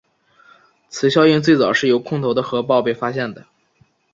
此效应最早是由空投的核爆被发现的。